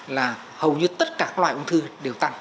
là hầu như tất cả các loại ung thư đều tăng